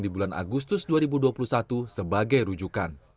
di bulan agustus dua ribu dua puluh satu sebagai rujukan